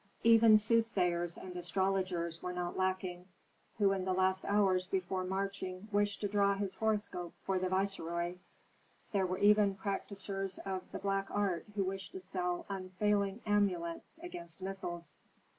Even soothsayers and astrologers were not lacking, who in the last hours before marching wished to draw his horoscope for the viceroy; there were even practisers of the black art who wished to sell unfailing amulets against missiles.